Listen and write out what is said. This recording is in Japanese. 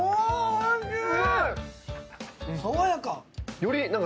おいしい！